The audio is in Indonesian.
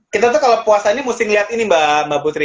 kita tuh kalau puasa ini mesti ngeliat ini mbak putri